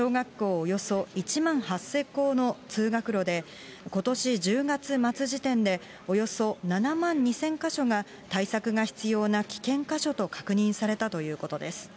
およそ１万８０００校の通学路で、今年１０月末時点で、およそ７万２０００か所が対策が必要な危険箇所と確認されたということです。